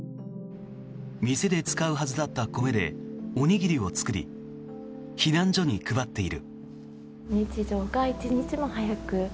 店で使うはずだった米でおにぎりを作り避難所に配っている。